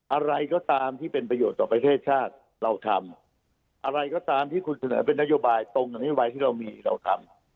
อะไรก็ตามที่เป็นประโยชน์ต่อประเทศชาติเราทำอะไรก็ตามที่คุณเสนอเป็นนโยบายตรงกับนโยบายที่เรามีเราทำ